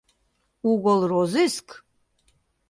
Уголрозыск?